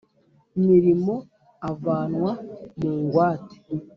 mirimo avanwa mu ngwate